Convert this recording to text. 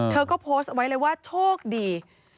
เธอก็โพสต์ไว้เลยว่าโชคดี